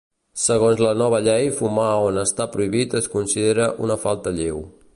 Segons la nova llei fumar on està prohibit es considera una falta lleu.